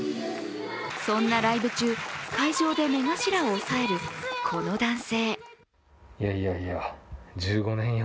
そんなライブ中、会場で目頭を押さえるこの男性。